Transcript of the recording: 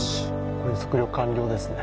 これで測量完了ですね。